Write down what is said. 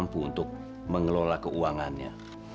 mampu untuk mengelola keuangannya